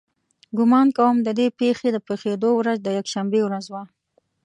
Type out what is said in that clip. ګمان کوم د دې پېښې د پېښېدو ورځ د یکشنبې ورځ وه.